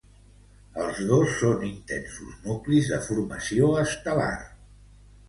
Les dos són intensos nuclis de formació estel·lar.